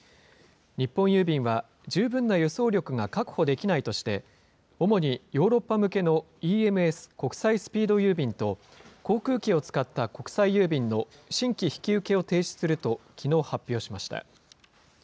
日本郵便は十分な輸送力が確保できないとして、主にヨーロッパ向けのＥＭＳ・国際スピード郵便と航空機を使った国際郵便の新規引き受けを停止するときのう、発表しました。